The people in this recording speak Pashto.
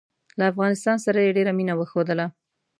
له افغانستان سره یې ډېره مینه وښودله.